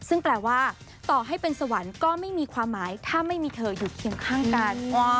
ซึ่งแปลว่าต่อให้เป็นสวรรค์ก็ไม่มีความหมายถ้าไม่มีเธออยู่เคียงข้างกัน